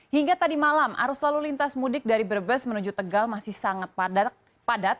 hingga tadi malam arus lalu lintas mudik dari brebes menuju tegal masih sangat padat